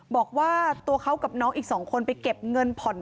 บอกว่าตัวเขากับน้องอีก๒คนไปเก็บเงินผ่อน